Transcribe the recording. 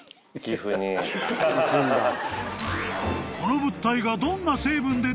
［この物体が］